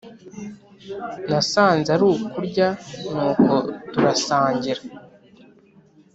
nasanze ari kurya nuko turasangira